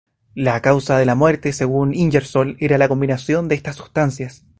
La causa de la muerte, según Ingersoll, era la combinación de estas sustancias.